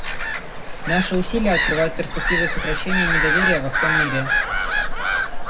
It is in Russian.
Наши усилия открывают перспективы сокращения недоверия во всем мире.